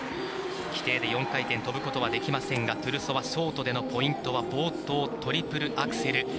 規定で４回転を跳ぶことはできませんが、トゥルソワショートでのポイントは冒頭トリプルアクセル。